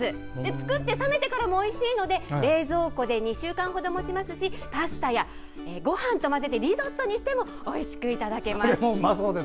作って冷めてからもおいしいので冷蔵庫で２週間ほど持ちますしパスタや、ごはんと混ぜてリゾットにしてもおいしくいただけます。